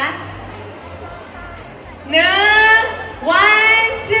สมาย